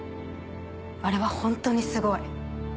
あれはホントにすごい。